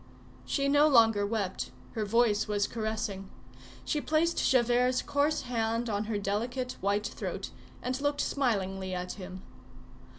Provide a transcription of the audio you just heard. She no longer wept, her voice was caressing; she placed Javert's coarse hand on her delicate, white throat and looked smilingly at him.